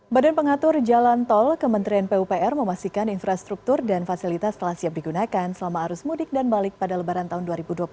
badan pengatur jalan tol kementerian pupr memastikan infrastruktur dan fasilitas telah siap digunakan selama arus mudik dan balik pada lebaran tahun dua ribu dua puluh satu